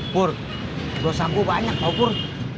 pur dosa gua banyak loh pur